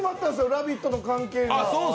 「ラヴィット！」の関係が。